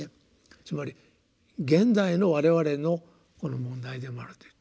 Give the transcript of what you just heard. つまり現代の我々の問題でもあると。